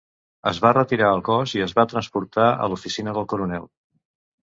Es va retirar el cos i es va transportar a l'oficina del coronel.